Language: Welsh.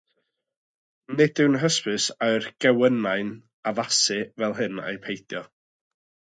Nid yw'n hysbys a yw'r gewynnau'n addasu fel hyn ai peidio.